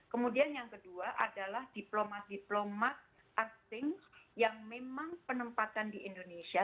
kemudian yang kedua adalah diplomat diplomat asing yang memang penempatan di indonesia